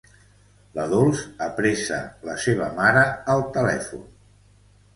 La Dols apressa la seva mare al telèfon.